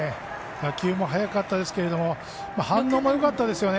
打球も速かったですけれども反応もよかったですよね。